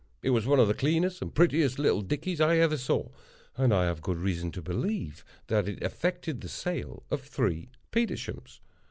It was one of the cleanest and prettiest little dickeys I ever saw; and I have good reason to believe that it effected the sale of three Petershams.